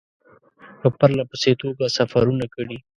په پرله پسې توګه سفرونه کړي.